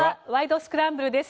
スクランブル」です。